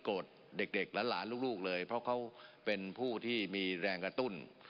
เด็กหลานลูกเลยเพราะเขาเป็นผู้ที่มีแรงกระตุ้น